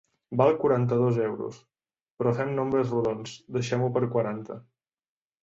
Val quaranta-dos euros, però fem nombres rodons: deixem-ho per quaranta.